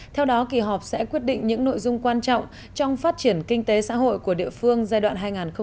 theo đó kỳ họp sẽ quyết định những nội dung quan trọng trong phát triển kinh tế xã hội của địa phương giai đoạn hai nghìn hai mươi một hai nghìn hai mươi